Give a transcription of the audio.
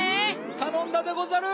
たのんだでござる！